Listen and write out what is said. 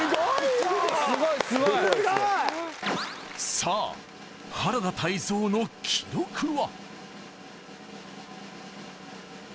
さあ原田泰造の記録は？